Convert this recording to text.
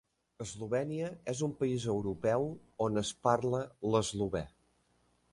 Eslovènia és un país europeu on es parla l'eslovè.